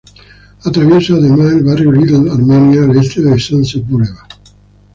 Atraviesa además el barrio Little Armenia al este de Sunset Boulevard.